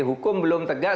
hukum belum tegak